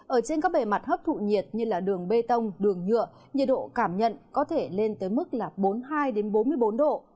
ở trên các bề mặt hấp thụ nhiệt như đường bê tông đường nhựa nhiệt độ cảm nhận có thể lên tới mức là bốn mươi hai bốn mươi bốn độ